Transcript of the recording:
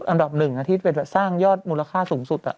อันดับหนึ่งที่เป็นสร้างยอดมูลค่าสูงสุด